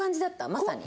まさに。